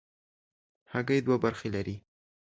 هګۍ دوه برخې لري.